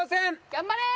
頑張れ！